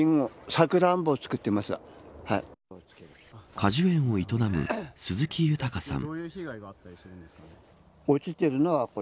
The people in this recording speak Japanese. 果樹園を営む鈴木裕さん。